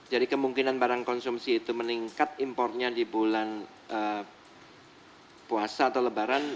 jadi kemungkinan barang konsumsi itu meningkat impornya di bulan puasa atau lebaran